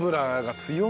強い！